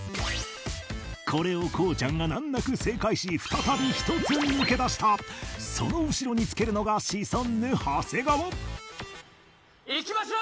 これをこうちゃんが難なく正解し再び１つ抜け出したその後ろにつけるのがシソンヌ長谷川いきましょう！